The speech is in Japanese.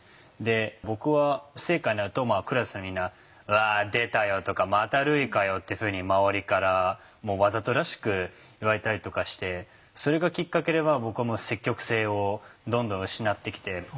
僕は不正解になるとクラスのみんな「うわ出たよ」とか「また類かよ」っていうふうに周りからわざとらしく言われたりとかしてそれがきっかけで僕は積極性をどんどん失ってきて。